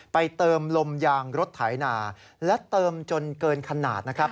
เติมลมยางรถไถนาและเติมจนเกินขนาดนะครับ